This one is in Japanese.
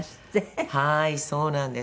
はいそうなんです。